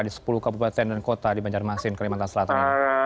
di sepuluh kabupaten dan kota di banjarmasin kalimantan selatan